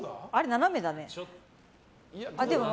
斜めだね。